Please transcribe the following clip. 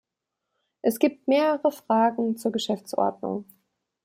Es gibt mehrere Fragen zur Geschäftsordnung.